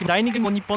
日本。